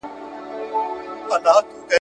زه به سبا د کتابتون کتابونه لوستل کوم!